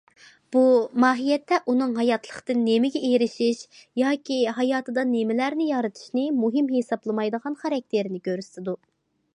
بۇ ماھىيەتتە ئۇنىڭ ھاياتلىقتىن نېمىگە ئېرىشىش ياكى ھاياتىدا نېمىلەرنى يارىتىشنى مۇھىم ھېسابلىمايدىغان خاراكتېرىنى كۆرسىتىدۇ.